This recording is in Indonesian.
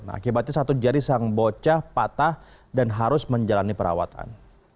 akibatnya satu jari sang bocah patah dan harus menjalani perawatan